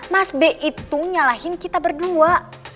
mas b itu nyalahin kita berdua